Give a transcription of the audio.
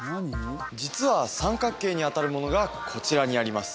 実は三角形にあたるものがこちらにあります